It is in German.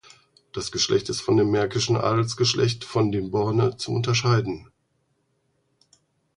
Das Geschlecht ist von dem märkischen Adelsgeschlecht von dem Borne zu unterscheiden.